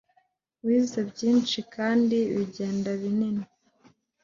wize byinshi kandi bigenda binini